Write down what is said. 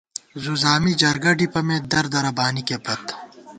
زُوزامی جرگہ ڈِپَمېت ، در دَرہ بانِکے پت